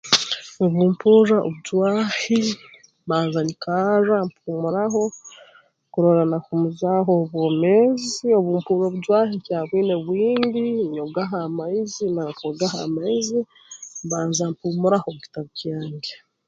Obu mpurra obujwaahi mbanza nyikarra mpuumuraho kurora nahuumuzaaho obwomeezi obu nkuba obujwahi nkyabwine bwingi nyogaho amaizi mara kwogaho amaizi mbanza mpuumuraho mu kitabu kyange